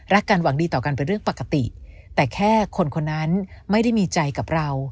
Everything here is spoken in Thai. กันหวังดีต่อกันเป็นเรื่องปกติแต่แค่คนคนนั้นไม่ได้มีใจกับเรา